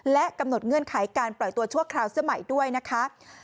และกำหนดเงื่อนไขการปล่อยตัวชั่วคราวเสื้อใหม่ด้วยนะคะ